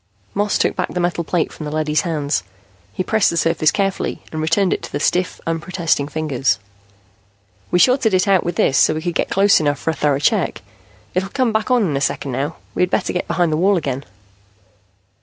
Moss took back the metal plate from the leady's hands. He pressed the surface carefully and returned it to the stiff, unprotesting fingers. "We shorted it out with this, so we could get close enough for a thorough check. It'll come back on in a second now. We had better get behind the wall again."